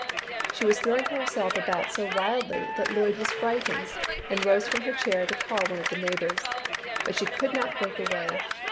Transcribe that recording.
She was throwing herself about so wildly that Lloyd was frightened, and rose from her chair to call one of the neighbours. But she could not break away.